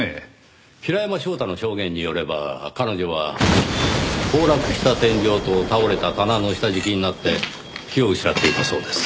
平山翔太の証言によれば彼女は崩落した天井と倒れた棚の下敷きになって気を失っていたそうです。